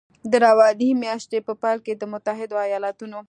د روانې میاشتې په پیل کې د متحدو ایالتونو